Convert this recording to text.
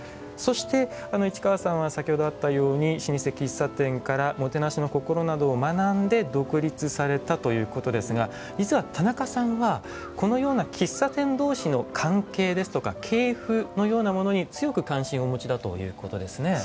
そして市川さんは先ほどあったように老舗喫茶店からもてなしの心などを学んで独立されたということですが実は田中さんはこのような喫茶店同士の関係ですとか系譜のようなものに強く関心をお持ちだということですね。